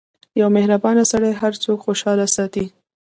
• یو مهربان سړی هر څوک خوشحال ساتي.